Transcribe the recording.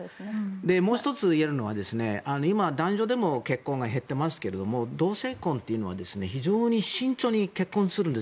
もう１つ言えるのは今、男女でも結婚が減ってますけれども同性婚というのは非常に慎重に結婚するんです。